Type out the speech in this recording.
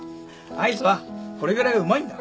アイスはこれぐらいがうまいんだ。